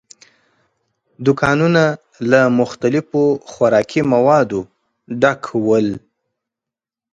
دوکانونه له مختلفو خوراکي موادو ډک ول.